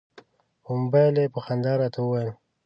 په مبایل یې په خندا راته وویل.